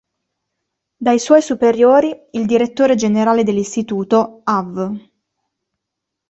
Dai suoi superiori, il Direttore Generale dell'Istituto, avv.